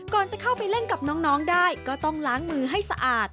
ก่อนจะเข้าไปเล่นกับน้องได้ก็ต้องล้างมือให้สะอาด